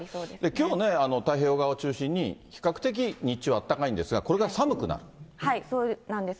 きょうね、太平洋側中心に比較的、日中あったかいんですが、そうなんです。